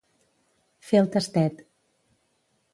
Fer el tastet.